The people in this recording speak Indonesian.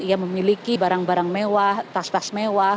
ia memiliki barang barang mewah tas tas mewah